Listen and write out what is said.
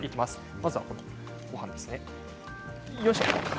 まずは、ごはんですね。